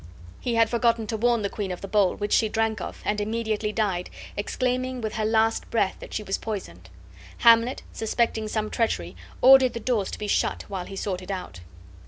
He had forgotten to warn the queen of the bowl, which she drank of, and immediately died, exclaiming with her last breath that she was poisoned. Hamlet, suspecting some treachery, ordered the doors to be shut while he sought it out.